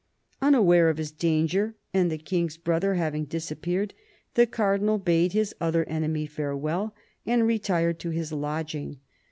Unaware of his danger, and the King's brother having disappeared, the Cardinal bade his other enemy farewell and retired to his lodging.